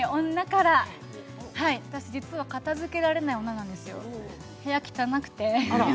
私、実は片づけられない女なんですよ、部屋汚くて。